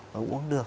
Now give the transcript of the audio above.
và uống được